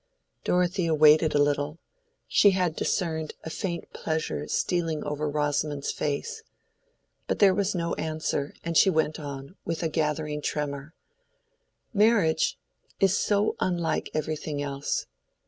Dorothea waited a little; she had discerned a faint pleasure stealing over Rosamond's face. But there was no answer, and she went on, with a gathering tremor, "Marriage is so unlike everything else.